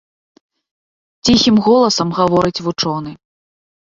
Ціхім голасам гаворыць вучоны.